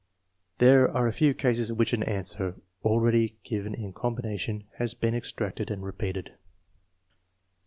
There are a few cases in whicli an answer, already given in combination, has been extracted and repeated.